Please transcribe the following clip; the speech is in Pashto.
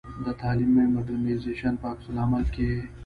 د تعلیمي مډرنیزېشن په عکس العمل کې.